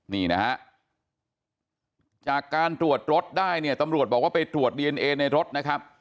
นี่นะฮะจากการตรวจรถได้เนี่ยตำรวจบอกว่าไปตรวจดีเอนเอในรถนะครับ